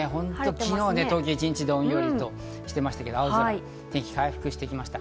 昨日の東京は一日、どんよりとしてましたけど天気が回復してきました。